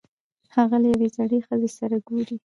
هغه له یوې زړې ښځې سره ګوري.